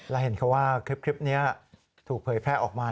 และเห็นเขาว่าคลิปนี้ถูกเผยแพร่ออกมา